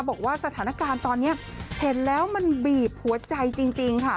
บอกว่าสถานการณ์ตอนนี้เห็นแล้วมันบีบหัวใจจริงค่ะ